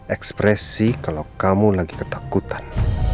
ekspresi kalau kamu lagi ketakutan